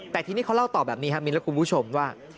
แต่ทีนี้เขาเล่าต่อแบบนี้ครับมิ้นและคุณผู้ชมว่า